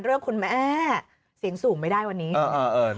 คุณแม่เสียงสูงไม่ได้วันนี้